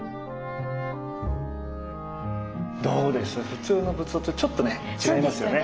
普通の仏像とちょっとね違いますよね。